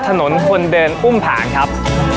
ถนนคนเดินอุ้มผ่านครับ